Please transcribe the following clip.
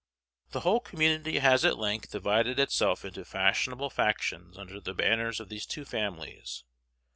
The whole community has at length divided itself into fashionable factions under the banners of these two families.